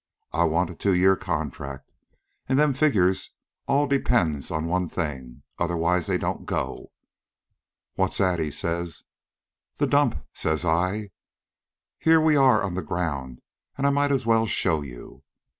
I want a two year contract, an' them figures all depends on one thing. Otherwise they don't go.' "'What's that,' he says. "'The dump,' says I. 'Here we are on the ground, an' I might as well show you.'